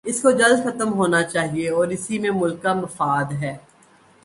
اس کو جلد ختم ہونا چاہیے اور اسی میں ملک کا مفاد ہے۔